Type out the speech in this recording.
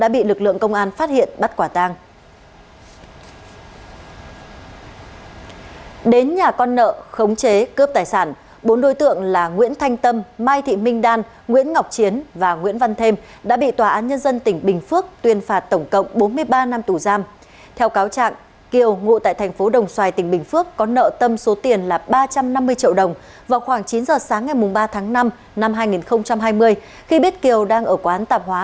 vào khoảng chín giờ sáng ngày ba tháng năm năm hai nghìn hai mươi khi biết kiều đang ở quán tạp hóa